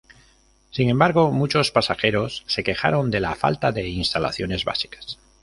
Sin embargo, muchos pasajeros se quejaron de la falta de instalaciones básicas.